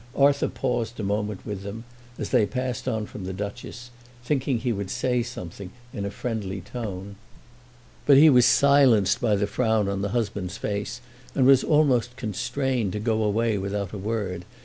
Arthur paused a moment with them, as they passed on from the Duchess, thinking that he would say something in a friendly tone. But he was silenced by the frown on the husband's face, and was almost constrained to go away without a word.